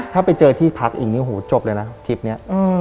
ถ้าไปเจอที่พักอีกนี่หูจบเลยนะทริปนี้